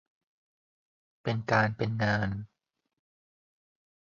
เป็นการเป็นงาน